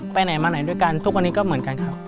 ไปไหนมาไหนด้วยกันทุกวันนี้ก็เหมือนกันครับ